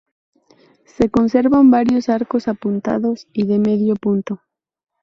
Se conservan varios arcos apuntados y de medio punto.